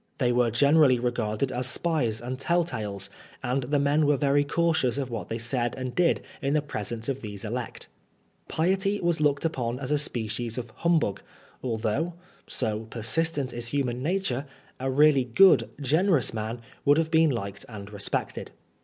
They were generally regarded as spies and tell tales, and the men were very cautious of what they said PABSON FUkFOBD. 151 and did in the presence of these elect. Piety was looked upon as a species of humbug, although (so persistent is human nature) a really good, generous man would have been liked and respected.